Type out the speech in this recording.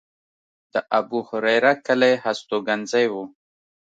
د ابوهریره کلی هستوګنځی و.